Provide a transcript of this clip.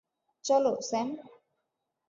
চলো, স্যাম।